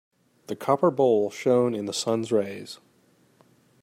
The copper bowl shone in the sun's rays.